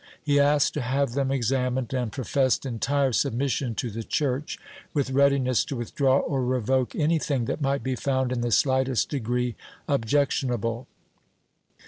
He asked to have them examined and professed entire submission to the Church, with readiness to withdraw or revoke anything that might be found in the slightest degree objectionable.